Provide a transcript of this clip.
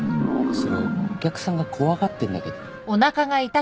それお客さんが怖がってんだけど。